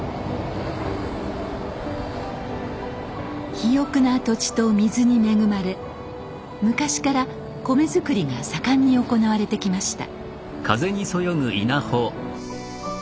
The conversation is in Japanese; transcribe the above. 肥沃な土地と水に恵まれ昔から米作りが盛んに行われてきました。